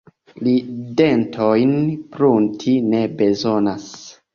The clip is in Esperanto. Li dentojn prunti ne bezonas.